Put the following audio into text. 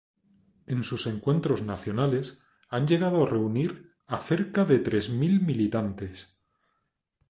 En sus encuentros nacionales han llegado a reunir a cerca de tres mil militantes.